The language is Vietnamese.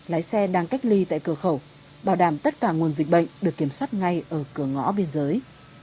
lái xe đang cách ly tại cửa khẩu bảo đảm tất cả nguồn dịch bệnh được kiểm soát ngay ở cửa ngõ biên giới